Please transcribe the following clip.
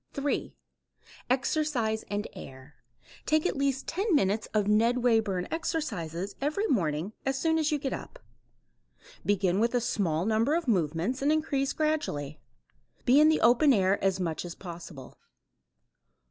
3. Exercise and air. Take at least 10 minutes of Ned Wayburn exercises every morning as soon as you get up. Begin with a small number of movements and increase gradually. Be in the open air as much as possible.